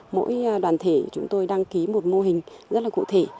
mỗi đoàn thể chúng tôi đăng ký một mô hình rất là cụ thể